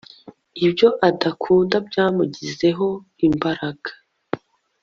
nibyo adakunda byamugizeho imbaraga